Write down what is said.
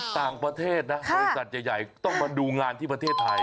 ต่างประเทศนะบริษัทใหญ่ต้องมาดูงานที่ประเทศไทย